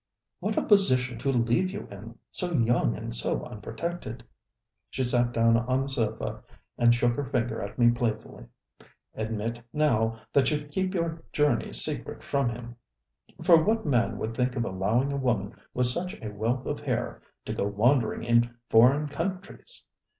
ŌĆ£What a position to leave you inŌĆöso young and so unprotected. ŌĆØ She sat down on the sofa and shook her finger at me playfully. ŌĆ£Admit, now, that you keep your journeys secret from him. For what man would think of allowing a woman with such a wealth of hair to go wandering in foreign countries?